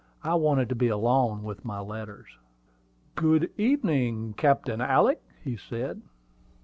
I wanted to be alone with my letters. "Good evening, Captain Alick," said he.